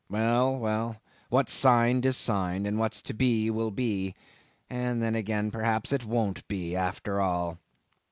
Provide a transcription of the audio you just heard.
Well, well, what's signed, is signed; and what's to be, will be; and then again, perhaps it won't be, after all.